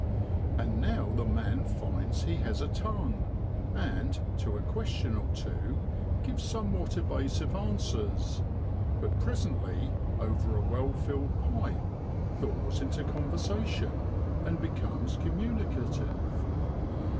And now the man finds he has a tongue, and to a question or two gives somewhat evasive answers ; but presently, over a well filled pipe, thaws into con versation, and becomes communicative.